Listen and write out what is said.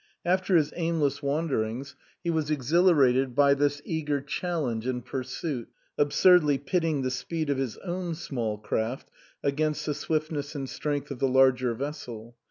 After his aimless wanderings he was exhilarated by this eager challenge and pursuit, absurdly pitting the speed of his own small craft against the swiftness and strength of the larger vessel.